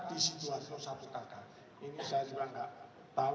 di situasi satu kakak